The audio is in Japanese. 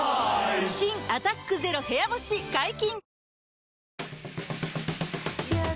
新「アタックＺＥＲＯ部屋干し」解禁‼